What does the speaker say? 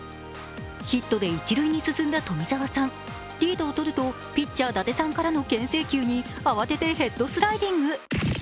ヒットで一塁に進んだ富澤さん、リードをとるとピッチャー・伊達さんからの牽制球に慌ててヘッドスライディング。